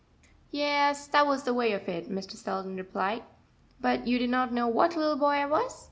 "Yes, that was the way of it," Mr. Selden replied. "But you did not know what little boy I was?"